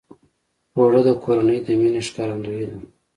اوړه د کورنۍ د مینې ښکارندویي ده